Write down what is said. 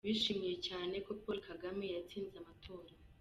Bishimiye cyane ko Paul Kagame yatsinze amatora.